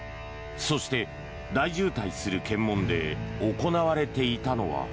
そして、大渋滞する検問で行われていたのは。